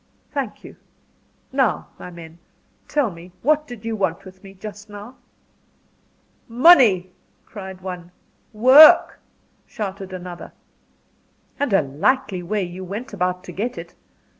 "Thank you. Now, my men, tell me what did you want with me just now?" "Money," cried one. "Work," shouted another. "And a likely way you went about to get it!